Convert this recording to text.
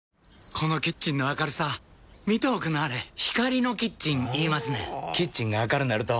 このキッチンの明るさ見ておくんなはれ光のキッチン言いますねんほぉキッチンが明るなると・・・